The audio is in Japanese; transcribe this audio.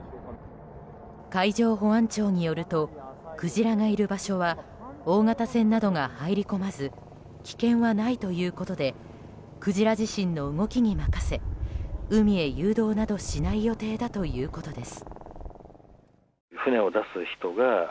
海上保安庁によるとクジラがいる場所は大型船などが入り込まず危険はないということでクジラ自身の動きに任せ海へ誘導などしない予定だということです。